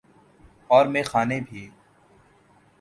اور میخانے بھی۔